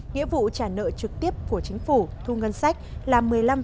nghĩa vụ trả nợ trực tiếp của chính phủ thu ngân sách là một mươi năm